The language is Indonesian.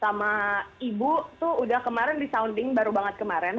sama ibu tuh udah kemarin di sounding baru banget kemarin